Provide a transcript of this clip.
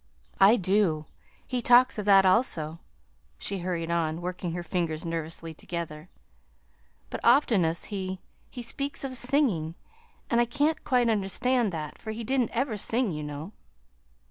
"I do; he talks of that, also," she hurried on, working her fingers nervously together; "but oftenest he he speaks of singing, and I can't quite understand that, for he didn't ever sing, you know."